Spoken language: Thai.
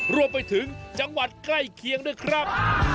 รวมไปถึงจังหวัดใกล้เคียงด้วยครับ